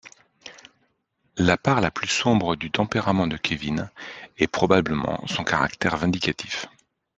La part la plus sombre du tempérament de Kévin est probablement son caractère vindicatif.